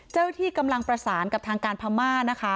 ที่กำลังประสานกับทางการพม่านะคะ